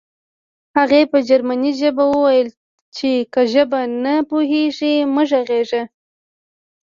هغې په جرمني ژبه وویل چې که ژبه نه پوهېږې مه غږېږه